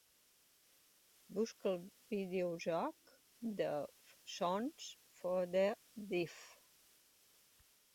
Busca el videojoc de "Songs for the Deaf".